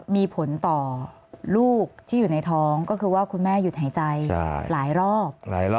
มีผลต่อลูกที่อยู่ในท้องก็คือว่าคุณแม่หยุดหายใจหลายรอบ